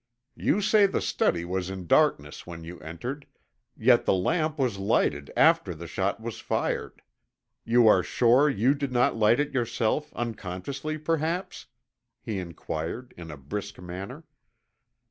You say the study was in darkness when you entered, yet the lamp was lighted after the shot was fired. You are sure you did not light it yourself, unconsciously, perhaps?" he inquired in a brisk manner.